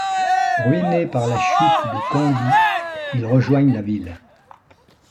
Ruinés par la chute de Candie, ils rejoignent la ville.